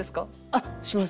あっします。